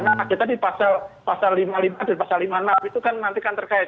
karena tadi pasal lima puluh lima dan lima puluh enam itu nanti terkait